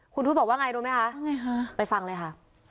คุณทวดบอกว่าไงรู้ไหมคะว่าไงคะไปฟังเลยค่ะ